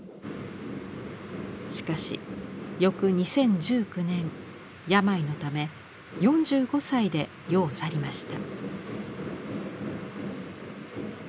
しかし翌２０１９年病のため４５歳で世を去りました。